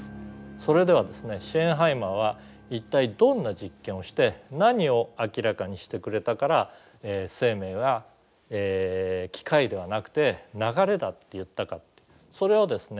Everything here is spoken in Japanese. それではですねシェーンハイマーは一体どんな実験をして何を明らかにしてくれたから生命は機械ではなくて流れだって言ったかってそれをですね